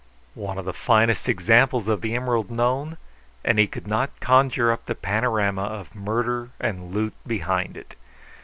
One of the finest examples of the emerald known, and he could not conjure up the panorama of murder and loot behind it.